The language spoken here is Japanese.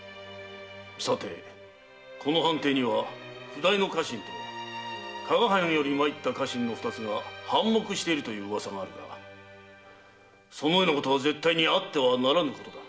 さてこの藩邸には譜代の家臣と加賀藩より参った家臣の二つが反目しているという噂があるがそのようなことは絶対にあってはならぬことだ。